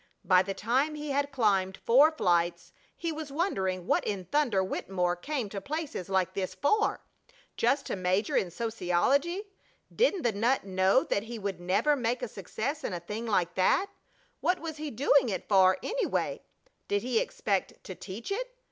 By the time he had climbed four flights he was wondering what in thunder Wittemore came to places like this for? Just to major in sociology? Didn't the nut know that he would never make a success in a thing like that? What was he doing it for, anyway? Did he expect to teach it?